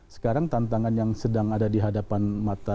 sekarang tantangan yang sedang ada di hadapan mata